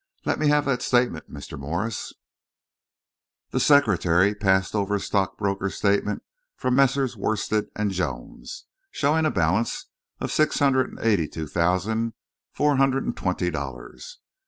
Let me have that statement, Mr. Morse." The secretary passed over a stockbroker's statement from Messrs. Worstead and Jones, showing a balance of six hundred and eighty two thousand four hundred and twenty dollars.